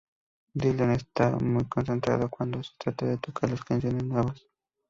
Dylan está muy concentrado cuando se trata de tocar las canciones nuevas...